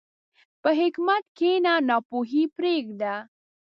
په حکمت کښېنه، ناپوهي پرېږده.